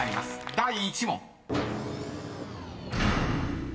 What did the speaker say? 第１問］